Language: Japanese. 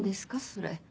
それ。